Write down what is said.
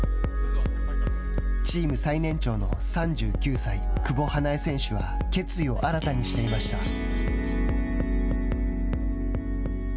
チーム最年長の３９歳久保英恵選手は決意を新たにしていました。